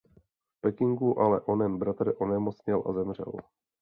V Pekingu ale onen bratr onemocněl a zemřel.